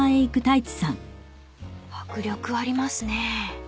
［迫力ありますね］